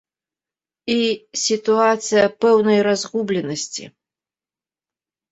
І сітуацыя пэўнай разгубленасці.